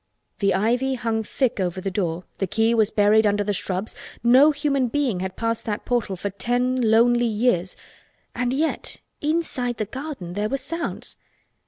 The ivy hung thick over the door, the key was buried under the shrubs, no human being had passed that portal for ten lonely years—and yet inside the garden there were sounds.